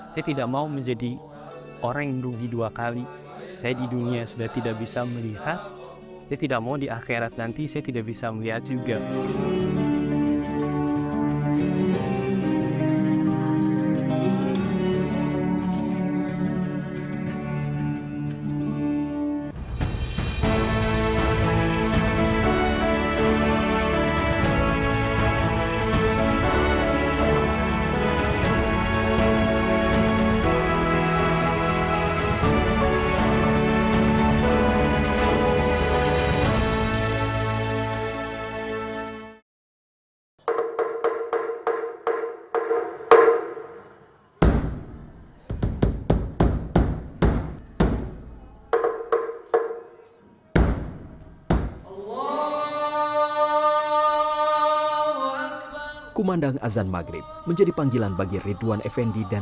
saya tidak mau menjadi orang yang buta